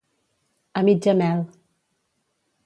A mitja mel.